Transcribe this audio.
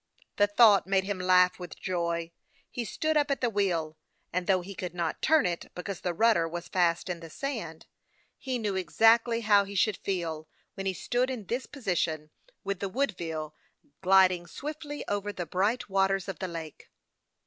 The thought made him laugh with joy. He stood up at the wheel, and though he could not turn it, because the rudder was fast in the sand, he knew 180 HASTE AND AVASXE, OR exactly ho\v he should feel when he stood in this position with the Woodville gliding swiftly over the bright waters of the lake.